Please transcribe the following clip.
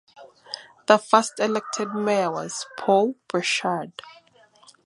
The first elected mayor was Paul Breschard.